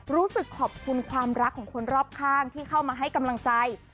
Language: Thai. รู้สึกขอบคุณความรักของคนรอบข้างที่เข้ามาให้กำลังใจ